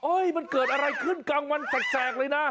มันเกิดอะไรขึ้นกลางวันแสกเลยนะ